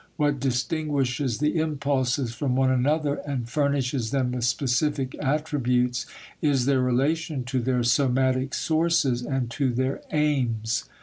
What distinguishes the impulses from one another and furnishes them with specific attributes is their relation to their somatic sources and to their aims.